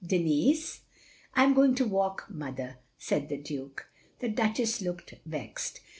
" Denis? "" I am going to walk, mother, " said the Duke. The Duchess looked vexed.